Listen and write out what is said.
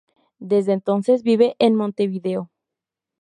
Desde entonces vive en Montevideo.